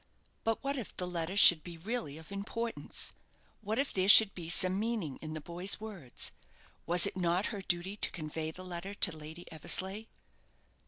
But what if the letter should be really of importance? What if there should be some meaning in the boy's words? Was it not her duty to convey the letter to Lady Eversleigh?